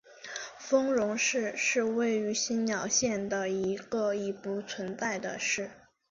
丰荣市是位于新舄县的一个已不存在的市。